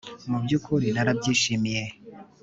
mu byukuri narabyishimiye